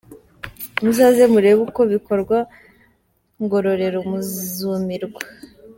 Muzaze murebe uko bikorwa ngororero muzumirwa.